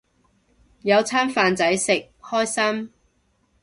有餐飯仔食，開心